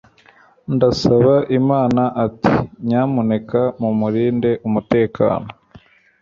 Ndasaba Imana ati Nyamuneka mumurinde umutekano